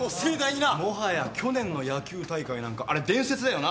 もはや去年の野球大会なんかあれ伝説だよな。